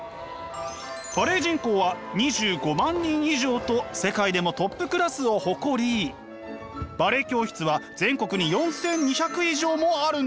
バレエ人口は２５万人以上と世界でもトップクラスを誇りバレエ教室は全国に４，２００以上もあるんです。